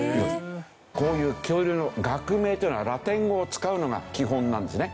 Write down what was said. こういう恐竜の学名というのはラテン語を使うのが基本なんですね。